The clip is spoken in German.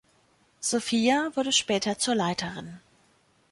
Sophia wurde später zur Leiterin.